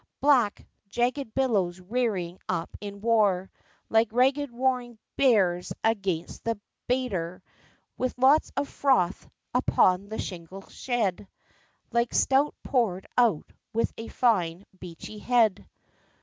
Black, jagged billows rearing up in war Like ragged roaring bears against the baiter, With lots of froth upon the shingle shed, Like stout poured out with a fine beachy head.